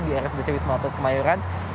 di rswc wismatut kemayoran